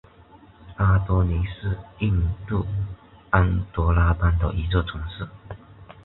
阿多尼是印度安得拉邦的一座城市。